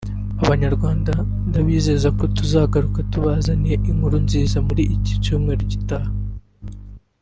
Abanyarwanda ndabizeza ko tuzagaruka tubazaniye inkuru nziza muri iki cyumweru gitaha